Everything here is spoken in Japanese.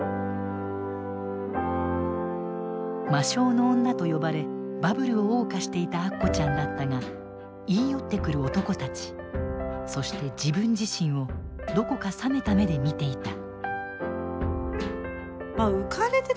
魔性の女と呼ばれバブルを謳歌していたアッコちゃんだったが言い寄ってくる男たちそして自分自身をどこか冷めた目で見ていた。